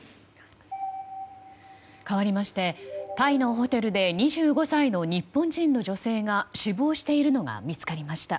かわりましてタイのホテルで２５歳の日本人の女性が死亡しているのが見つかりました。